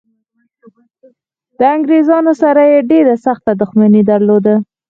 د انګریزانو سره یې ډېره سخته دښمني درلوده.